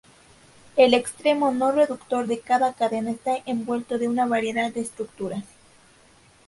El extremo no reductor de cada cadena está envuelto de una variedad de estructuras.